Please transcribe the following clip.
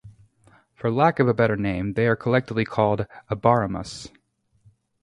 For lack of a better name, they are collectively called abaremas.